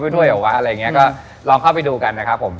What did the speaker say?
ก็ลองเข้าไปดูกันนะครับ